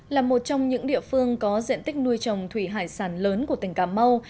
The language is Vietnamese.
là một trong những địa phương có diện tích nuôi trồng thủy hải sản lớn của tỉnh cà mau